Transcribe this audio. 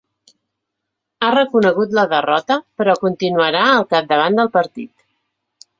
Ha reconegut la derrota, però continuarà al capdavant del partit.